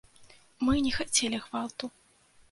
Мы не хацелі гвалту.